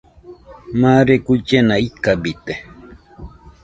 Mare guillena ikabite.